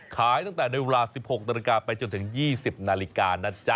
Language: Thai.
ขายตั้งแต่ในเวลา๑๖นาฬิกาไปจนถึง๒๐นาฬิกานะจ๊ะ